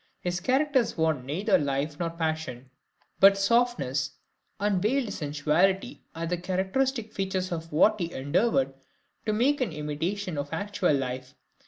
His characters want neither life nor passion, but softness and veiled sensuality are the characteristic features of what he endeavoured to make an imitation of actual life.